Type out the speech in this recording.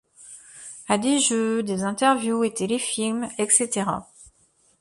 À des jeux, des interviews et téléfilms, etc.